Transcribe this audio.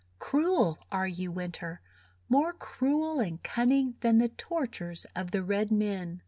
Cruel are you, Winter! More cruel and cunning than the tortures of the Red Men!